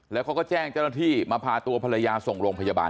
แล้วเขาก็แจ้งเจ้าหน้าที่มาพาตัวภรรยาส่งโรงพยาบาล